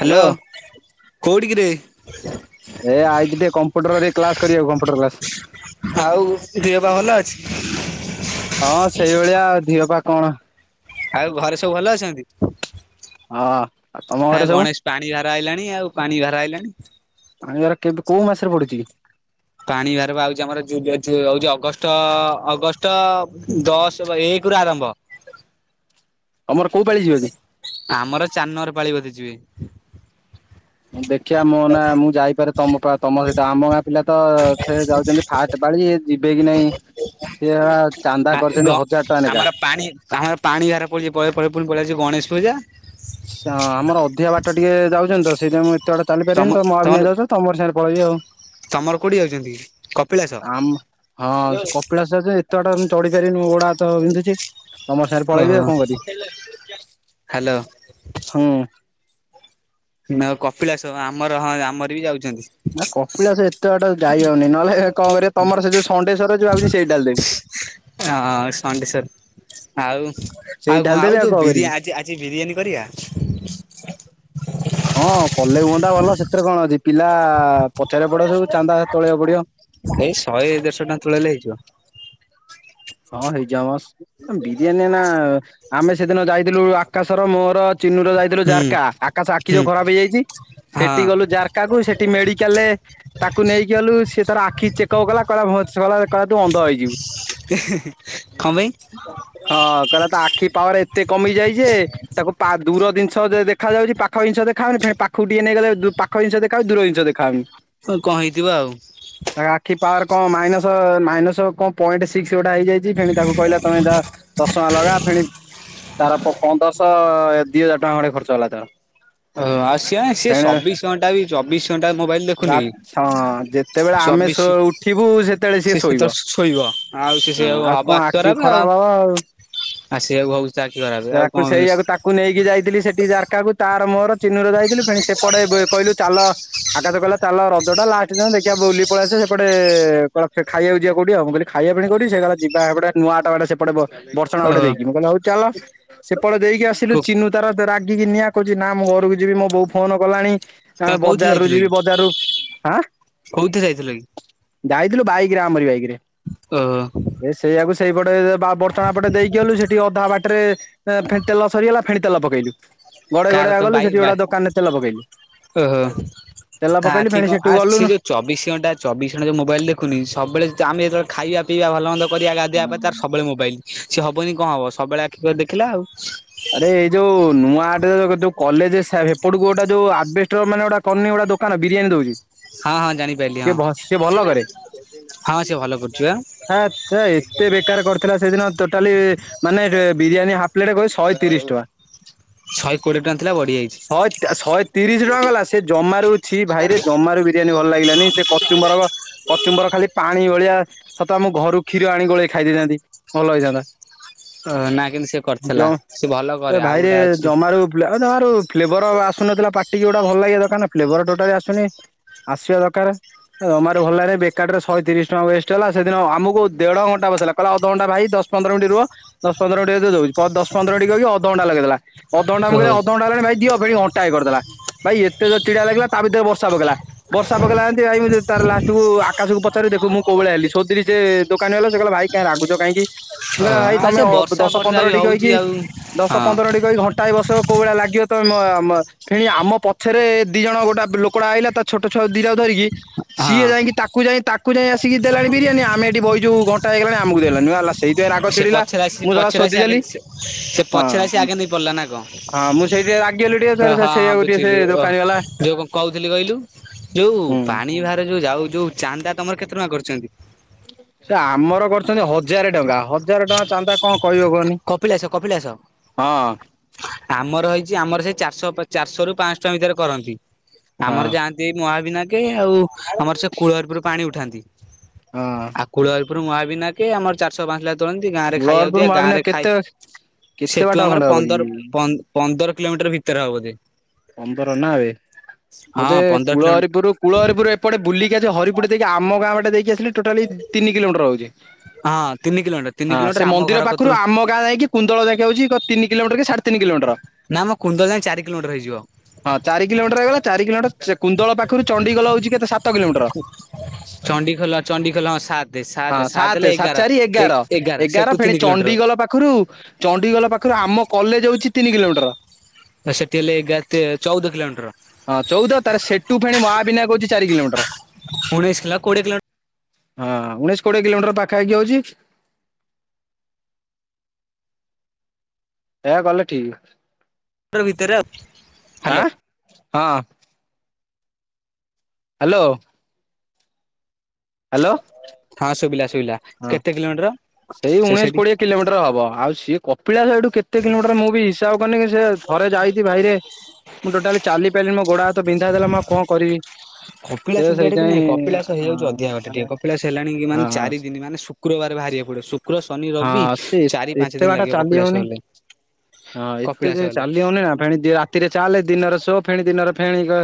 Hello hello କୋଉଠି କିରେ? ଏ ଆଇଛି ଟିକେ କମ୍ପୁଟରରେ କ୍ଲାସ କରିବାକୁ କମ୍ପୁଟର କ୍ଲାସ। ଦିହ ପା ଭଲ ଅଛି? ହଁ ସେଇଭଳି ଆ ଦିହ ପା କଣ। ଆଉ ଘରେ ସବୁ ଭଲ ଅଛନ୍ତି? ହଁ। ତମ ହା ଘରେ ସବୁ ଗଣେଶ ପାଣି ଭାର ଆଇଲାଣି ଆଉ ପାଣି ଭାର ଆଇଲାଣି। ପାଣିଭାର କେବେ କୋଉ ମାସରେ ପଡୁଛି କି? ପାଣି ଭାର ବା ଆଉଛି ଆମର [unintelligible] ଅଗଷ୍ଟ ଅଗଷ୍ଟ ଦଶ ବା ଏକ ରୁ ଆରମ୍ଭ। ତମର କୋଉ ପାଳି ଯିବ କି? ଆମର ଚାର୍ ନମ୍ୱର ପାଳି ବଧେ ଯିବେ। ଦେଖିବା ମୋ ନା ମୁଁ ଯାଇପାରେ ତମ ପା ତମ ସହିତ ଆମ ଗାଁ ପିଲା ତ ସେ ଯାଉଛନ୍ତି ଫାଷ୍ଟ୍ ପାଳି ଯିବେ କି ନାଇଁ ସିଏ ବା ଚାନ୍ଦା କରିଛନ୍ତି ହଜାର ଟଙ୍କା ନେଖା। କା [unintelligible] ପାଣି ଭାର ପଡ଼ୁଛି ପରେ ପରେ ପୁଣି ପଳେଇ ଆସିବ ଗଣେଶ ପୂଜା। ସେ ଆମର ଅଧିକା ବାଟ ଟିକେ ଯାଉଛନ୍ତି ତ ସେଇଥି ପାଇଁ ମୁଁ ତେ ବାଟ ଚାଲି ତମ ପାରିବିନି ତ ତମର ମହାବିନାୟକ ଯାଉଛନ୍ତି ତମରି ସାଙ୍ଗେ ପଳେଇବି ଆଉ। ତମର କୋଉଠିକି ଯାଉଛନ୍ତି କି କ ଆମ ହଁ ସେ କପିଳାସ ଯାଉଛନ୍ତି ଏତେ ବାଟ ମୁଁ ଚଢ଼ିପରିବିନି ଗୋଡ଼ ହାତ ପା ବିନ୍ଧୁଛି। ତମର ସାଙ୍ଗରେ ପଳେଇବି ଓହୋ ଆଉ କଣ କରିବି ହାଲୋ। ହଁ ଉଁ। ନା ଅ କପିଳାସ ହଁ ଆମର ହଁ ଆମର ବି ଯାଉଛନ୍ତି। ନା କପିଳାସ ଏତେ ବାଟ ଯାଇ ହବନି ନହେଲେ କଣ କରିବ ତମର ସେ ଯୋଉ ସଣ୍ଡେଶ୍ୱର ଯୋଉ ଭାବୁଛି ସେଇଠି ଢାଳିଦେବି। ହ ହଁ ସଣ୍ଡେଶ୍ୱର ଆଉ ସେଇ ଆଉ କଣ ଢାଳିଦେବି ଆଉ ଯୋଉ କରିବି। ବିରିଆ ଛି ଗିରିୟାନୀ କରିବା? ହଁ କଲେ ହୁଅନ୍ତା ଭଲ ସେଥିରେ କଣ ଅଛି ପିଲା ପଚାରିବା ପଡ଼ିବ ସବୁ ଚାନ୍ଦା ତଳିବାକୁ ପଡ଼ିବ। ସେଇ ଶହେ ଦେଢ଼ଶହ ଟଙ୍କା ତୁଳେଇଲେ ହେଇଯିବ। ହଁ ହେଇଯିବ ଆମସ୍ ବିରିୟାନୀ ନା ଆମେ ସେଦିନ ଯାଇଥିଲୁ ଆକାଶର ମୋର ଚିନୁର ଯାଇ ଥିଲୁ ହୁଁ ଜାରକା ଆକାଶ ଆଖି ହୁଁ ଯୋଉ ଖରାପ ହେଇଯାଇଛି ହଁ ସେଠି ଗଲୁ ଜାରକା କୁ ସେଠି ମେଡିକାଲ ରେ ତାକୁ ନେଇକି ଗଲୁ ସେ ତାର ଆଖି ଚେକ୍ ଅପ୍ କଲା କହିଲା ଭତ୍ ସରି କହିଲି ତୁ ଅନ୍ଧ ହେଇଯିବୁ। କଁ ପାଇଁ? ହଁ କହିଲା ତି ଆଖି ପାୱାର ଏତେ କମି ଯାଇଛି ଯେ ତାକୁ ପାଗ୍ ଦୂର ଦିନ୍ ଷ ଦେ ଦେଖା ଯାଉଛି ପାଖ ଜିନିଷ ଦେଖାଯାଉନି ଫେଣି ପାଖକୁ ଟିକେ ନେଇଗଲେ ଦୁ ପା ଆ ଜିନ୍ ଷ ଦେଖା ଯାଉଛି ଦୂର ଜିନ୍ସ ଦେଖା ଯାଉନି। କ କଣ ହେଇଥିବ ଆଉ। ତା ଆଖି ପାୱାର କଣ ମାଇନସ ମାଇନସ କଣ ପଏଣ୍ଟ ସିକ୍ସ ଯୋଉଟା ହେଇଯାଇଛି ଫେଣି ତାକୁ କହିଲା ତମେ ଯା ଚଷଣା ଲଗା ଫେଣି ତାର ପ ପନ୍ଦର୍ସ ତ ଏ ଦି ହଜାର ଟଙ୍କା ଖଣ୍ଡେ ଖର୍ଚ୍ଚ ହେଲା ତାର। ହ ଆଉ ସିଏ ସି ଫେଣେ ଚବିଶ ଘଣ୍ଟା ବି ଚବିଶ ଘଣ୍ଟା ମୋବାଇଲ ଦେଖୁନି କି ସେତେବେଳେ ଆମେ ଚବିଶ ଶୋ ଉଠିବୁ ସେତେବେଳେ ସିଏ ସେ ଶୋଇବ। ସେତେବେଳେ ଶୋଇବ ଆଉ ସେ ହଁ ସେଆକୁ ଆଉ ହବ କଣ ଆଖୀ ଆଖି ଖରାବେ ଆଉ। ଖରାପ ହବ ଆ ସେଆକୁ ହୋଉଛି ତା ଆଖୀ ଖରାବେ ଆଉ କଣ ସେ କୁ ନେଇକି ଯାଇଥିଲି ସେଠି ଜାରକାକୁ ତାର ମୋର ଚିନୁର ଯାଇଥିଲୁ ପେଣି ସେପଟେ କହିଲୁ ଚାଲ ଆକାଶ କହିଲ ତାଲ ରଜ ଟା ଲାଷ୍ଟ ଦିନ ଦେଖିବା ବୁଲିକି ପଳେଇଆସିବା ସେପଟେ କଣ ଖାଇବାକୁ ଯିବା କୋଉଠି ଆଉ ମୁଁ କିହିଲି ଖାଇବାକୁ ପୁଣି କୋଉଠି ସେ କହିଲା ଯିବା ହେପଟେ ନୂଆଟାେ ବାଟେ ସେପଟେ ବ ବର୍ଷାଣ ବାଟେ ଦେଇକି ମୁଁ କହିଲି ହଉ ଚାଲ ସେପଟେ ଦେଇକି ଆସିଲୁ ଓ ଚିନୁ ତାର ରାଗିକି ନିଆଁ କହୁଛି ନା ମୁଁ ଘରକୁ ଯିବି ମୋ ବୋଉ ଫୋନ କଲାଣି। ତମେ ଆମେ କୋଉଥିରେ ବଜାର ରୁ ଯାଇଥିଲ କି ଯିବି ବଜାର ରୁ ହାଁ କୋଉଥିରେ ଯାଇଥିଲ କି? ଯାଇଥିଲୁ ବାଇକ ରେ ଆମରି ବାଇକ ରେ। ଓ ହୋ ଏ ସେଇଆକୁ ସେଇପଟେ ବ ବର୍ଷଣା ପଟେ ଦେଇକି ଗଲୁ ସେଠି ଅଧା ବାଟରେ ଫେଣି ତେଲ ସରିଗଲା ଫେଣି ତେଲ ପକେଇଲୁ ଗଡେଇ କାର ତ ଗଡେଇକା ଗଲୁ ବାଇ ସେଠି ବାଇ ଗୋଟେ ଦୋକାନ ରେ ତେଲ ପକେଇଲୁ। ଓହୋ ତେଲ ତା ପକେଇଲୁ ଆଖି ଫେଣି କଣ ସେଠୁ ଆ ଗଲୁ ସେ ଯୋଉ ଚବିଶ ଘଣ୍ଟା ଚବିଶ ଘଣ୍ଟା ଯୋଉ ମୋବାଇଲ ଦେଖୁନି କି ସବବେଳେ ଆମେ ଯେେବେଳେ ଖଇବା ପିଇବା ଭଲ ମନ୍ଦ କରିବା ଗାଧିବା ପାଇଁ ତାର ସବୁବେଳେ ମୋବାଇଲ ସିଏ ହବନି କଣ ହବ ସବବେଳେ ଆଖି କରି ଦେଖିଲା ଆଉ। ଆରେ ଏଇ ଯୋଉ ନୂଆ ଆଡରେ ଯୋଉ କଲେଜ ସେ ହେପଟୁକୁ ଗୋଟେ ଯୋଉ ଆବେଷ୍ଟର ମାନେ ଗୋଟେ କରନି ଗୋଟେ ଦୋକାନ ବିରିୟାନୀ ଦଉଚି ହଁ ହଁ ଜାଣିପାରିଲି ହଁ ହଁ ସେ ଭଲ କରୁଚି ପା। ଆ ଛା ସେ ଏତେ ବେକାର କରିଥିଲା ସେଦିନ ଟୋଟାଲି ମାନେ ବିରିୟାନୀ ହାଫ୍ ପ୍ଲେଟ କହୀ ଶହେ ତିରିଶ ଟଙ୍କା। ଶଛେ କୋଡିଏ ଟଙ୍କା ଥିଲା ବଢିଯାଇଛି। ଶହେ ଶହେ ତିରିଶ ଟଙ୍କା ଗଲା ସେ ଜମାରୁ ଛି ଭାଇରେ ଜମାରୁ ବିରିୟାନୀ ଭଲ ଲାଗିଲାନି ସେ କଚୁମ୍ବର କ କଚୁମ୍ବର ଖାଲି ପାଣି ଭଳିଆ ସତ ଆମ ଘରୁ କ୍ଷୀର ଆଣି ଗୋଳେଇ ଖାଇ ଦେଇଥାନ୍ତି ଭଲ ହେଇଥାନ୍ତା। ଅ ନା କିନ୍ତୁ ସେ ଜ କରିଥିଲା ସେ ଭଲ କରେ ଆଉ ଭାଇରେ ଗୋଟେ ଅଛି ଜମାରୁ ଏ ଜମାରୁ ଫ୍ଲେଭର ଆସୁନଥିଲା ପାଟିିକି ଗୋଟା ଭଲ ଲାଗିବା ଦରକାର ନା ଫ୍ଲେରୋଟା ଟୋଟାଲି ଆସୁନି। ଆସିବା ଦକାର। ଜମାରୁ ଭଲ ଲାଗିଲାନି ବେକାରଟାରେ ଶହେ ତିରିଶ ଟଙ୍କା ୱେଷ୍ଟ ହେଲା ସେଦିନ ଆମକୁ ଦେଢ ଘଣ୍ଟା ବସେଇଲା କହିଲା ଅଧଘଣ୍ଟା ଭାଇ ଦଶ ପନ୍ଦର ମିନଟ ରୁହ ଦଶ ପନ୍ଦର ମିନିଟ ଭିତରେ ଦଉଚି ପ ଦଶପନ୍ଦର ମିନିଟ କହିକି ଅଧଘଣ୍ଟା ଲଗେଇଦେଲା ଅଧଘଣ୍ଟା ମୁ କହିଲି ଓହୋ ଅଧଘଣ୍ଟା ହେଲାଣି ଭାଇ ଦିଅ ଅ ଘଣ୍ଟାଏ କରିଦେଲା ଭାଇ ଏତେ ଯୋରେ ଚିଡା ଲାଗିଲା ତା ଭିତରେ ବର୍ଷା ପକେଇଲା ବର୍ଷା ପକେଇଲା ଜେନ୍ତି ଭାଇ ତାର ଲାଷ୍ଟକୁ ଆକାଶକୁ ପଚାରେ ଦେଖିବୁ ମୁଁ କୋଉଭଳିଆ ହେଲି ସୋଦିଲି ସେ ଦୋକାନୀ ବାଲାକୁ ସେ କହିଲା ଭାଇ କାଇଁ ରାଗୁଚ କାହିଁକି। ସେ କହିଲା ଭାଇ ଆଉ ତମେ ସେ ଅ ବର୍ଷା ଦଶ ଫର୍ଷା ପନ୍ଦର ବି ମିନିଟ ହଉଛି କହିକି ଆଉ ହଁ କହିକି ଘଣ୍ଟାଏ ବସେଇବ କୋଉ ଭଳିଆ ଲାଗିବ ତମେ ଆମ ଏଠି ଆମ ପଛରେ ଦି ଜଣ ଗୋଟେ ଲୋକଟା ଆଇଲା ତା ଛୋଟ ଛୁଆ ଦିଟା ଧରିକି ହଁ ସିଏ ଯାଇକି ତା ତାକୁ ଯାଇ ତାକୁ ଯାଇ ଆସିକି ଦେଲାଣି ବିରିୟାନି ଆମେ ଏଠି ବଇଚୁ ଘଣ୍ଟାଏ ହେଇଗଲାଣି ଆମକୁ ଦେଲାନି ବାଲା ସେଇ ସେଥିପାଇଁ ରାଗ ସେ ଚିଡିଲା ପଛରେ ଆସି ମୁଁ ଶଳା ପଛରେ ଆସି ଆଗେ ସୋଦିଦେଲି। ସେ ହଁ ପଛରେ ଆସି ଆଗେ ନେଇ ପଡିଲା ନା କଣ? ହଁ ମୁଁ ସେଇ ଟିକେ ରାଗିଗଲି ଟିକେ ହଁ ସେ ହଁ ସେଇଆକୁ ଟିକେ ସେ ବୁଝିଲି ଓ ଦୋକାନୀ ବାଲା ଯୋଉ କଣ କହୁଥିଲି କହିଲୁ ଯୋଉ ହୁଁ ପାଣି ଭାର ଯୋଉ ଯାଉ ଯୋଉ ଚାନ୍ଦା ତମର କେତେ ଟଙ୍କା କରିଛନ୍ତି? ସେ ଆମର କରୁଛନ୍ତି ହଜାରେ ଟଙ୍କା ହଜାର ଟଙ୍କା ଚାନ୍ଦା କଣ କହିବ କହନି କପିଳାସ କପିଳାସ। ହଁ ଆମର ହେଇଛି ଆମର ସେ ଚାରିଶହ ଚାରିଶହ ରୁ ପାଞ୍ଚଶ ଟଙ୍କା ଭିତରେ କରନ୍ତି ଆମର ହଁ ଯାଆ ନ୍ତି ମହାବିନାକେ ଆଉ ଆମର ସେ କୂଳରପୁର ପାଣି ଉଠାନ୍ତି ହଁ ଆଉ କୂଳର ପୁରୁ ମହାବିନାକେ ଆମର ଚାରଶହ ପାଞ୍ଚଶହ ତୋଳାନ୍ତି ଗାଁରେ ଖାଇବାକୁ ମୂଳରପୁର ଦିଆ ଗାଁରେ ମହାବିନାୟକ କେତେ କେତେ ବାଟ ସେଠୁ ଆମର ଖଣ୍ଡେ ହବ କି ପନ୍ଦର ପ ପନ୍ଦର କିଲୋମିଟର ଭିତରେ ହବ ଯେ। ପନ୍ଦର ନାବେ ବୋଧେ ପନ୍ଦର କିଲୋମିଟର କୁଳହରିପୁରରୁ କୂଳହରିପୁର ଏ ଏପଟେ ବୁଲିକି ଆଜି ହରିପଟେ ଦେଇକି ଆମ ଗାଁ ବାଟେ ଦେଇକି ଆସିଲ ଟୋଟାଲି ତିନି କିଲୋମିଟର ହଉଛି ହଁ ତିନି କିଲୋମିଟର ତିନି ହଁ କିଲୋମିଟର ସେ ଆମ ମନ୍ଦିର ଘର ପାଖରୁ କତରୁ ଆମ ଗାଁ ଯାଇକି କୁଣ୍ଡଳ ଯାକେ ହୋଉଛି କ ତିନି କିଲୋମିଟର କି ସାଢେ ତିନି କିଲୋମିଟର। ନା ଆମ କୁନ୍ଦ ଯାଏ ଚାରି କିଲୋମଟର ହେଇଯିବ। ହଁ ଚାରି କିଲୋମିଟର ହେଇଗଲା ଚାର କିଲୋମିଟର ସେ କୁନ୍ଦଳ ପାଖରୁ ଚଣ୍ଡିଖୋଲ ହଉଛି କେତେ ସାତ କିଲୋମିଟର। ଚଣ୍ଡିଖୋଲ ଚଣ୍ଡିଖୋଲ ହଁ ସାତେ ହଁ ହେଲେ ସାତେ ଏଗାର ସାତ ଚାରି ଏଗାର ସେଠୁ ଏଗାର ଫେଣି ତିନି କିଲୋମିଟର। ଚଣ୍ଡିଖୋଲ ପା ପାଖରୁ ଚଣ୍ଡିଖୋଲ ପାଖରୁ ଆମ କଲେଜ ହଉଛି ତିନି କିଲୋମିଟର ସେଠି ହେଲେ ଏଗାର ତିନ ଚଉଦ କିଲୋମିଟର। ହଁ ଚଉଦ ତାର ସେଠୁ ଫେଣି ମାହାବିନାୟକ ହୋଉଛି ଚାରି କିଲୋମିଟର। ଉଣେଇଶ କିଲୋ କୋଡିଏ କିଲୋମିଟର ହଁ ଉଣେଇଶ କୋଡିଏ କିଲୋମିଟର ପାଖାପାଖି ହୋଉଛି। ଏ କଲେ ଠିକ। ମନ୍ଦିର ଭିତରେ ଆଉ ହ୍ୟାଲୋ। ଆଁ ହଁ। ହ୍ୟାଲୋ। ହ୍ୟାଲୋ। ହଁ ଶୁଭିଲା ଶୁଭିଲା। ହଁ କେତେ କିଲୋମିଟର ସେଇ ସେ ଉଣେଇଶି ସେଠି କୋଡିଏ କିଲୋମିଟର ହବ ଆଉ ସିଏ କପିଳାସ ଏଠୁ କେତେ କିଲୋମିଟର ମୁଁ ବି ହିସାବ କରିନି ସେ ଥରେ ଯାଇଥିଲି ଭାଇରେ ମୁଁ ଟୋଟାଲି ଚାଲିପାଇଲିନି ମୋ ଗୋଡ ହାତ ବିନ୍ଧା ହୋଉଥିଲା ମୁ ଆଉ କଣ କରିବି। ସେ କପିଳାସ ଯିବାରେ କିଛି ସେଇଥିପାଇଁ ନାଇଁ କପିଳାସ ହେଆଇଯାଉଛି ଅଧିକ ବାଟ ଟିକେ ହଁ କପିଳାସ ହେଲାଣି କି ମାନେ ହଁ ଚାରି ଦିନ ମାନେ ଶୁକ୍ରବାର ବାହାରିବାକୁ ପଡିବ ଶୁକ୍ର ଶନି ରବି ହଁ ସେ ଚାରି ପାଞ୍ଚ ଏତେ ଦିନ ବାଟ ଲାଗିବ ଚାଲି କପିଳାସ ହଉନି ଗଲେ। ହଁ ଏତେ କପିଳାସ ଯେ ଗଲେ। ଚାଲି ହଉନି ନା ଫେଣି ରାତିରେ ଚାଲେ ଦିନରେ ଶୋ ଫେଣି ଦିନରେ ଫେଣ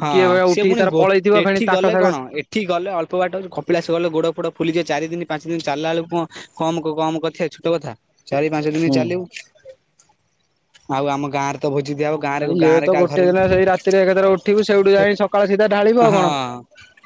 ହଁ ଭାଇ ଉଠିକି ତାର ପଳେଇଥିବ ଫେଣି ତାଙ୍କ ସାଙ୍ଗ ଏଠିକି ଗଲେ ଅଳ୍ପ ବାଟ କପିଳାସ ଗଲେ ଗୋଡ ଫୋଡ ଫୁଲିଯିବ ଚାରି ଦିନ ପାଞ୍ଚ ଦିନ ଚାଲିଲା ବେଲୁକି କଣ କମ କମ କଥିଆ ଛୋଟ କଥା। ଚାରି ପାଞ୍ଚ ଦିନ ହୁଁ ଚାଲିବୁ ଆଉ ଆମ ଗାଁରେ ତ ଭୋଜି ଦିଆହବ ଗାଁରେ ଆଉ ଇଏ ଗାଁରେ ତ କା ଗୋଟେ ଘରେ ଦିନ ସେଇ ରାତିରେ ଏକାଥରେ ଉଠିବୁ ସେଇଠୁ ଯାଇ ସକାଳ ସିଧା ଢାଳିବୁ ଆଉ ହଁ କଣ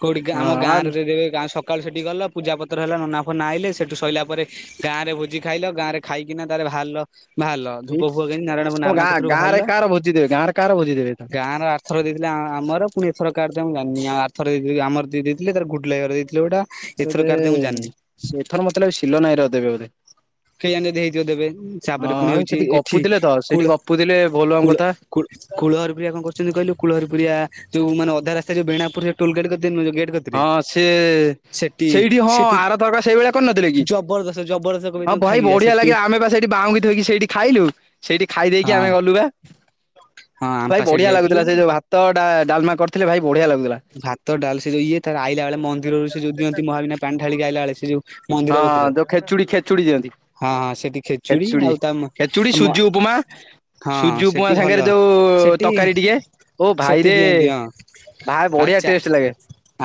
କୋଉଠି ଆମ ହଁ ଗାଁ ଆଉ ରେ ଦେଇଦେବେ ଗାଁ ସ ସକାଳୁ ସେଠି ଗଲ ପୂଜା ପତ୍ର ହେଲା ନନା ଫନା ଆଇଲେ ସେଠୁ ସଇଲା ପରେ ଗାଁରେ ଭୋଜି ଖାଇଲ। ଗାଁରେ ଖାଇକିନା ତାରେ ବାହାରିଲ ବାହାରିଲ ଏଇ ଧୂପ ଫୁପ କେ ନାରାୟଣ ତମ ନାରାୟଣ ଗାଁ କତରୁ ଗାଁ ରେ ବାହାରିଲ କାହାର ଭୋଜି ଦେବେ ଗାଁରେ କାହାର ଭୋଜି ଦେବେ ଗାଁ ର ଆ ଥରେ ଦେଇଥିଲେ ଆମର ପୁଣି ଏଥର କାର୍ ମୁଁ ଜାନି ଆଉ ଆଥର ଆମ ଦେଇଥିଲେ ତ ଘୁଡ ଲୁ ଭାଇ ହର ଦେଇ ଲେଉଟା ଏଥର ଯେ ଏଥରକାର ଦେବେ ମୁଁ ଜାଣିନି। ଏଥର ମତେ ଲାଗୁଚି ସିଲନ ଭାଇ ହର ଦେବେ ବୋଧେ କେ ଜାଣି ହେଇଥିବ ଦେବେ ହଁ ତାପରେ ପୁଣି ଆଉ ହେଉଛି ସେଠି ଏଠି ଗପୁଥିଲେ ତ ସେଇଠି କୂଳ ଗପୁଥିଲେ ବୋଲବମ୍ କୂଳ କଥା କୁଳ କୁଳହରିପରିଆ କଣ କରୁଛନ୍ତି କହିଲୁ କୁଳହରିପୁରିଆ ଯୋଉ ମାନେ ଅଧା ରାସ୍ତା ଯୋଉ ବେଣା ପୁରିଆରଟୋଲେ ଗେଟ୍ କରିଥି ହଁ ସେ ସେଇଠି ହଁ ସେଠି ଆର ଥରକ ସେଇଭଳିଆ କରିନଥିଲେ କି ଜବରଦସ୍ତ ଜବରଦସ୍ତ କହିବେ ହଁ ତମେ ଭାଇ ଖାଇକି ଯା ବଢିଆ ସେଠି ଲାଗେ ଆମେ ବା ସେଇଠି ବାହୁଙ୍ଗି ଥୋଇକି ସେଇଠି ଖାଇଲୁ ସେଇଠି ଖାଇ ଦେଇକି ହଁ ଆମେ ଗଲୁ ବା ହଁ ଭାଇ ଆମପା ସେଇଠି ବଢିଆ ଯାଇଥିଲୁ ଲାଗୁଥିଲା ସେ ଯୋଉ ଭାତ ଟା ଡାଲମା କରିଥିଲେ ଭାଇ ବଢିଆ ଲାଗୁଥିଲା। ଭାତ ଡାଲ ସେ ଯୁ ଇଏ ତାର ଆଇଲା ବେଳେ ମନ୍ଦିରରୁ ସେ ଯୁ ଦିଅନ୍ତି ମହାବିନା ପାଣି ଢାଳି ଆଇଲା ସେ ଯୁ ହଁ ଦ ଖେଚୁଡି ଖେଚୁଡି ଦିଅନ୍ତି। ହଁ ହଁ ସେଠି ଖେଚୁଡି ଆଉ ତା ମ ଖେଚୁଡି ମ ସୁଜି ଉପମା ହଁ ସୁଜି ଉପମା ସେଠି ଭଲ। ସାଙ୍ଗରେ ଯୋଉ ସେଠି ତରକାରୀ ଟିକେ ଓ ସେଠି ଭାଇରେ ଦିଅନ୍ତି ହଁ ଭା ବଢିଆ ଆଚ୍ଛା ଟେଷ୍ଟ ଲାଗେ।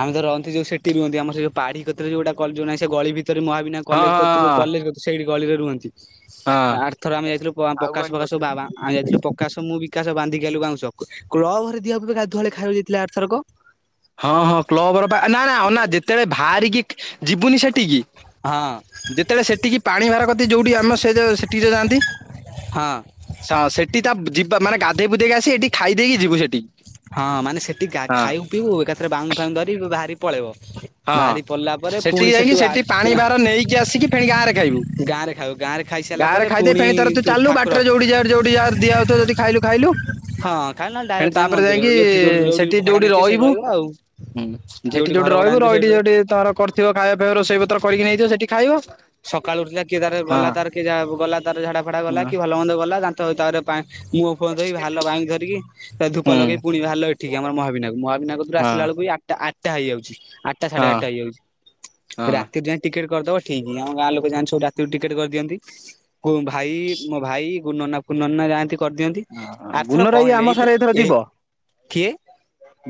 ଆମେ ଯ ରହନ୍ତି ଯୋଉ ସେଠି ରୁହନ୍ତି ଆମର ସେ ଯୁ ପାଢି କ୍ଷତରେ ଯୁ ଗୋଟେ କଯୁ ନାହିଁ ସେ ଯୋଉ ଗଳି ଭିତରେ ମହାବିନାୟ ହଁ କଲେଜ କତ୍ରୁ ହଁ କଲେଜ ସେଇଠି ଗଳିରେ ରୁହନ୍ତି ହଁ ଆରଥରକ ଆମେ ଯାଇଥିଲୁ ପକାଶ ଫକାଶ ସବୁ ବାବା ଆମେ ଯାଇଥିଲୁ ପ ପକାଶ ମୁଁ ବିକାଶ ବାନ୍ଧିକି ଆଇଲୁ ବାଉଁଶ କ୍ଲବ ଘରେ ଦିଆ ହୁଏ ଗାଧୁଆଳେ ଖାଇବାକୁ ଯାଇଥିଲା ଆରର୍ଥରକ ହଁ ହଁ କ୍ଲବ ଘର ବା ନା ନା ଅନା ଯେତେବେଳେ ବାହାରିକି ଯିବୁନି ସେଠିକି ହଁ। ଯେତେବେଳେ ସେଠିକି ପାଣି ଭାର କତି ଯୋଉଠି ଆମ ସେ ଯୋ ସେଠି କି ଯୁ ଯାଆନ୍ତି। ହଁ। ହଁ ସେଠି ତା ଯିବା ମାନେ ଗାଧୋଇ ପୁଧେଇକ ଆସି ଏଠି ଦେଇକି ଯିବୁ ସେଠିକି। ହଁ ମାନେ ସେଠି କା ହଁ ଖାଇବୁ ପିଉବୁ ଏକାଥରେ ବାଙ୍ଗ ଫାଙ୍ଗ ଧରି ବ-ବାହାରି ପଳେଇବ। ହଁ ବାହାରି ପଡିଲା ପରେ ପୁଣି ସେଠିକି ଯାଇକି ସେଠୁ ସେଠି ପାଣି ଆ ଭାର ନେଇକି ଆସିକି ଫେଣି ଗାଁ ରେ ଖାଇବୁ। ଗାଁ ରେ ଖାଉ ଗାଁ ରେ ଖାଇସାରିଲା ଗାଁ ରେ ପରେ ଖାଇଦିଏ ପୁଣି ଫେଣି ତାର ତୁ ଚାଲିଲୁ ଠାକୁର ବାଟରେ ଯଉଠି ଯା ଯୋଉଠି ଯା ଦିଆହଉଥିବ ଯଦି ଖାଇଲୁ। ଖାଇଲୁ ହଁ ଖାଲି ନହେଲେ ଏ ଡାଇରେକ୍ଟ ଯାଇ ତାପରେ ମନ୍ଦିର ଯାଇକି ଏଠି ଯୋଉଠି ସେଠି ଭଡା ଯୋଉଠି ନେଇଥିବେ ସେଇଠି ରହିବୁ। ରହିବ ଆଉ ହୁଁ ସେଠି ଯୋଉଠି ଘର ଯଉଠି ଭଡା ରହିବୁ ନେଇଥିବେ ସେଇଠି ରହିି ରହିବ। ଯଉଠି ତାର କରିଥିବ ଖାଇବା ଫାଇବା ସେଇ ପତ୍ର କରିକି ନେଇଥିବ ସେଠି ଖାଇବ। ସକାଳୁ ଉଠିଥିଲା କିଏ ତାର ଗଲା ତାର ହଁ। କିଏ ଜା ବ ଗଲା ତାର ଝାଡା ଫାଡା ଗଲା କି ଭଲ ମନ୍ଦ ଗଲା ଦାନ୍ତ ତାପରେ ପା ମୁହ ଫୁହ ଧୋଇ ବାହାରିଲ [unintelligible] ଧରିକି। ତା ଧୂପ ହୁଁ ଲଗେଇ ପୁଣି ବାହାରିଲ ଏଠିକି ଆମର ମହାବିନାୟକ ମହାବିନାୟକ କତି ରୁ ହଁ ଆସିଲା ବେଳକୁ ଏଇ ଆଠଟା ଆଠଟା ହେଇଯାଉଛି ଆ ଆଠଟା ସାଢେ ହଁ ଆଠଟା ହେଇଯାଉଛି ହଁ। ରାତିରୁ ଯାଇଁ ଟିକେଟ୍ କରିଦବ ଠିକ। ମୋ ଗାଁ ଲୋକ ଯାଆନ୍ତି ସବୁ ରାତିରୁ ଟିକେଟ କରିଦିଅନ୍ତି ଓ ଭାଇ ମୋ ଭାଇ। କଉ ନନା କଉ ନନା ଯାଆନ୍ତି କରିଦିଅନ୍ତି ହଁ ଆର ଥର ଗୁନର କଣ ଆଇ ହେଲେ ଆମ ଏଇ ଥ ସାଙ୍ଗରେ ଏଥର ଏଇ ଯିବ କିଏ।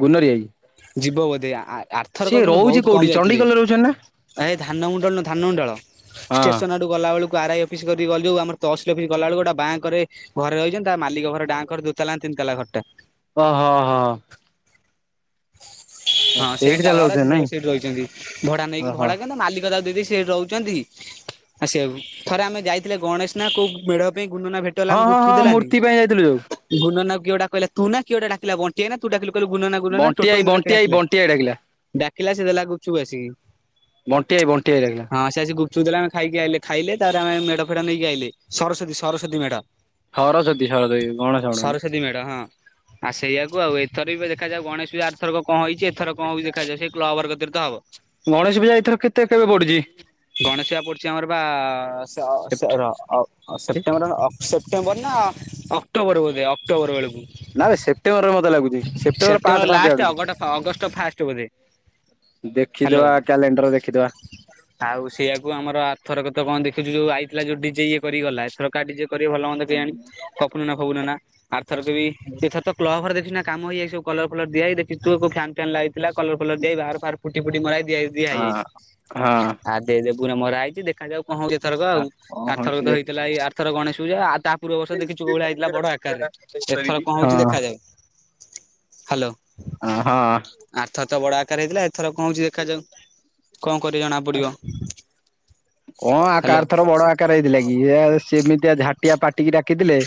ଗୁନରି ଭାଇ। ଯିବ ବୋଧେ ଏ ଆ-ଆ-ଆଥରକ କିନ୍ତୁ ବହୁତ କୋଉଠି କମ ଯାଇଥିଲେ ଚଣ୍ଡିଖୋଲରେ ରହୁଛନ୍ତି ନା? ଏ ଧାନ ମୁୁଣ୍ଡଳ ନୁହ ଧାନ ମୁୁଣ୍ଡଳ। ହଁ। ଷ୍ଟେସନ ଆଡୁ ଗଲା ବେଳକୁ ଆର ଆଇ ଅଫିସ କରି ଗଲି ଯଉ ଆମର ତହସିଲ ଅଫିସ ଗଲା ବେଳକୁ ଗୋଟେ ବାଁ କରେ। ଘରେ ରହିଛନ୍ତି ତା ମାଲିକ ଘର ଡ଼ାଁ କର ଦୁଇ ତାଲା ତିନି ତାଲା ଘରଟା। ଓ ହ ହ। ହଁ ସେଇଠି ସେଇଟା ତାହେଲେ ଘର ସେ ରହୁଛନ୍ତି ସେ ନାଇଁ। ସେଇଠି ରହିଛନ୍ତି ଭଡା ନେଇକି ଓହୋ। ଭଡା କଣ ତା ମାଲିକ ତାକୁ ଦେଇ ଦେଇଛି ସିଏ ସେଠି ରହୁ ଚନ୍ତି ଆ ସେୟାକୁ ଥରେ ଆମେ ଯାଇଥିଲେ ଗଣେଶ ନା କୋଉ ମେଢ ପାଇଁ ଗୁଡ ନନା ଭେ ହଁ ହଁ ହଁ ମୂର୍ତ୍ତି ପାଇଁ ଯାଇଥିଲୁ ଯୋଉ। ଘୁଡ ନନା କୁ କିଏ ଗୋଟା କହିଲା ତୁ ନା କିଏ ଗୋଟେ ଡାକିଲା ବ ବଣ୍ଟି ଭାଈ ନା ତୁ ଡାକିଲୁ କହିଲୁ ଗୁ ନନା ଗୁ ନନା ବଣ୍ଟି ଆଇ ଟୋଟୋ ଏମିତି ଗୋଟେ ବଣ୍ଟି କିଏ ଆଇ ଡାକିଲା ବଣ୍ଟି ଆଇ ଡାକିଲା ଡାକିଲା ସେ ଦେଲା ଗୁପଚୁପ ଆସିକି। ବଣ୍ଟି ଭାଈ ବଣ୍ଟି ଭାଇ ଡ଼ାକିଲା। ହଁ ସେ ଆସି ଗୁପଚୁପ ଦେଲା ଆମେ ଖାଇକି ଆଇଲେ ଖାଇଲେ ତାପରେ ଆମେ ମେଢ ଫେଢ ନେଇକି ଆଇଲେ ସରସ୍ଵତୀ ସରସ୍ୱତୀ ମେଢ। ସରସ୍ୱତୀ ସରସ୍ୱତୀ ଗଣେଶ ମେଢ଼ ନୁହେଁ। ସରସ୍ଵତୀ ମେଢ ହଁ ଆ ସେଇଆକୁ ଆଉ ଏଥର ବି ଦେଖାଯାଉ ଗଣେଶପୁଜା ଆରଥରକ କଣ ହେଇଛି ଏଥର କଣ ହଉଚି ଦେଖାଯାଉ ସେ କ୍ଲବ୍ ଘର କତିରେ ତ ହବ୍। ଗଣେଶ ପୂଜା ଏଇଥର କେତେ କେବେ ପଡୁଛି? ଗଣେଶ ପୂଜା ପଡୁଛି ଆମର ବା ସେ ଅ ସେ ରହ ଅ ଅ ସେପ୍ଟେମ୍ବର ଅ ସେପ୍ଟେମ୍ବର ନା ଅକ୍ଟୋବର ବୋଧେ ଅକ୍ଟୋବର ବେଳକୁ। ନା ବେ ସେପ୍ଟେମ୍ବରରେ ମତେ ଲାଗୁଛି ସେପ୍ଟେମ୍ବର ପାଞ୍ଚେ ଫାଞ୍ଚେ ଆଡକୁ। ପରେ। ଦେଖିଦବା କ୍ୟାଲେଣ୍ଡର ଦେଖିଦବା। ଆଉ ସେଇଆକୁ ଆମର ଆରଥର କ ତ କଣ ଦେଖିଛୁ ଯୋଉ ଆଇଥିଲା ଯୋଉ ଡି ଜେ ଇଏ କରିଗଲା। ଥର କା ଡି ଜେ କରିବେ ଭଲ ମନ୍ଦ କେଜାଣି ଫପୂଲ୍ ନନା ଫପୁଲ ନନା ଆରଥରକ ବି ଏଥର ତ। କ୍ଳବ ଘରେ ଦେଖିଚୁ ନା କାମ ହେଇଯାଇଚି ସବୁ କଲର ଫଲର ଦିଆହେଇ ଦେଖିଚୁ କୁ ଫ୍ୟାନ ଫ୍ୟାନ ଲା ଥିଲା କଲର ଫଲର ଦେଇ ବାହାର ଫାହାର ପୁଟି ପୁଟି ମରା ହେଇ ଦିଆ ଦିଆ ହଁ ହେଇଯାଇଛି। ହଁ। ଆ ଦେ ଦେ ବୁ ଏଇନା ମରା ହେଇଛି ଦେଖାଯାଉ କଣ ହଉଛି ଏଥରକ ଆଉ କଣ ହଉଛି ଆରଥରକ ତ ଦେଖ ହେଇଥିଲା ଏଇ ଆରଥର ଗଣେଶ ପୂଜା ଆଉ ତା ପୂର୍ବବର୍ଷ ଦେଖିଛୁ କୋଉ ଭଳିଆ ହେଇଥିଲା ବଡ ଆକାରରେ ଏଥର କଣ ହଉଛି ହଁ। ଦେଖାଯାଉ। ହ୍ୟାଲୋ ଅଁ ହଁ। ଆରଥର ତ ବଡ ଆକାରେ ହେଇଥିଲା ଏଥର କଣ ହଉଛି ଦେଖାଯାଉ କଣ କରିବେ ଜଣା ପଡିବ। କଣ ଆ କା ହ୍ୟାଲୋ। ଆରଥର ବଡ ଆକାର ହେଇଥିଲା କି ୟେ ସେମିତିଆ ଝା ଟିଆ ପାଟି କି ଡାକିଥିଲେ।